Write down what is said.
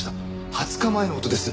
２０日前の事です。